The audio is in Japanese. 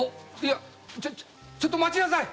ちょっと待ちなさい。